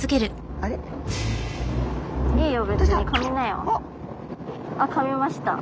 あっかみました。